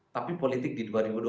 tapi politik di dua ribu dua puluh